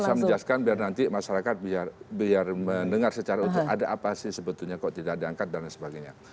bisa menjelaskan biar nanti masyarakat biar mendengar secara utuh ada apa sih sebetulnya kok tidak diangkat dan sebagainya